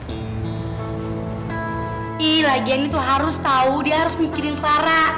ih lagian itu harus tahu dia harus mikirin clara